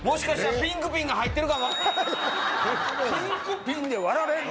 「ピンク」「ピン」で割られんの？